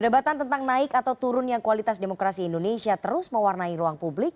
debatan tentang naik atau turunnya kualitas demokrasi indonesia terus mewarnai ruang publik